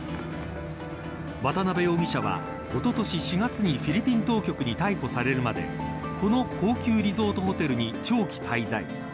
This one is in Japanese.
渡辺容疑者は、おととし４月にフィリピン当局に逮捕されるまでこの高級リゾートホテルに長期滞在。